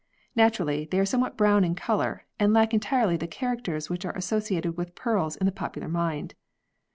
Naturally, they are somewhat brown in colour and lack entirely the characters which are associated with pearls in the popular mind.